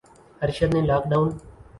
ارشد نے lock down